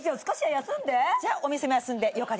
じゃあお店も休んでよかですか？